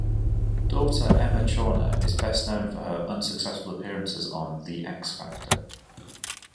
Daughter Emma Chawner is best known for her unsuccessful appearances on "The X Factor".